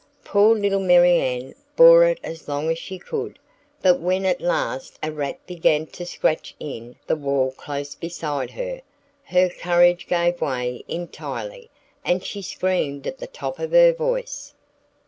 Poor little Marianne bore it as long as she could; but when at last a rat began to scratch in the wall close beside her, her courage gave way entirely, and she screamed at the top of her voice.